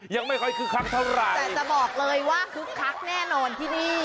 ยังไม่ค่อยคึกคักเท่าไหร่แต่จะบอกเลยว่าคึกคักแน่นอนที่นี่